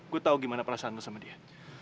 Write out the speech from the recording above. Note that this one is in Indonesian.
gue tau gimana perasaan lo sama dia